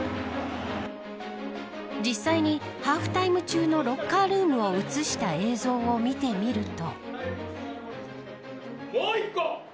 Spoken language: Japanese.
実際に、ハーフタイム中のロッカールームを映した映像を見てみると。